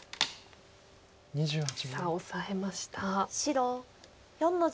さあオサえました。